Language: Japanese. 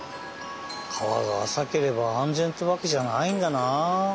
川があさければ安全っていうわけじゃないんだな。